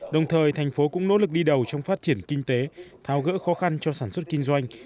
đồng thời thành phố cũng nỗ lực đi đầu trong phát triển kinh tế thao gỡ khó khăn cho sản xuất kinh doanh